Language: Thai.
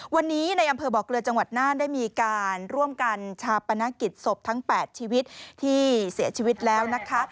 วันนี้ในอำเภอบ่อเกลือจังหวัดน่านได้มีการร่วมกันชาปนกิจศพทั้ง๘ชีวิตที่เสียชีวิตแล้วนะคะ